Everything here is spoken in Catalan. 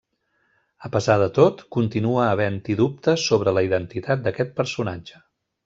A pesar de tot, continua havent-hi dubtes sobre la identitat d'aquest personatge.